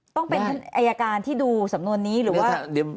ต้องเป็นอายการที่ดูสำนวนนี้หรือว่า